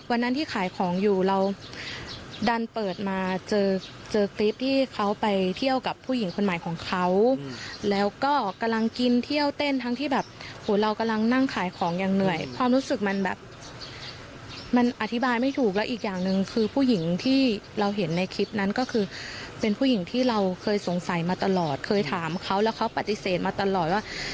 วันนั้นที่ขายของอยู่เราดันเปิดมาเจอเจอคลิปที่เขาไปเที่ยวกับผู้หญิงคนใหม่ของเขาแล้วก็กำลังกินเที่ยวเต้นทั้งที่แบบโหเรากำลังนั่งขายของอย่างเหนื่อยความรู้สึกมันแบบมันอธิบายไม่ถูกแล้วอีกอย่างหนึ่งคือผู้หญิงที่เราเห็นในคลิปนั้นก็คือเป็นผู้หญิงที่เราเคยสงสัยมาตลอดเคยถามเขาแล้วเขาปฏิเสธมาตลอดว่า